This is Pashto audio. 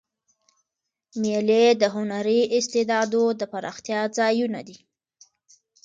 مېلې د هنري استعدادو د پراختیا ځایونه دي.